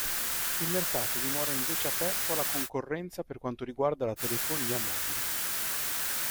Il mercato dimora invece aperto alla concorrenza per quanto riguarda la telefonia mobile.